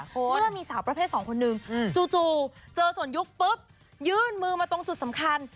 เมื่อมีสาวประเภทสองคนนึงจู่เจอส่วนยุคปุ๊บยื่นมือมาตรงจุดสำคัญ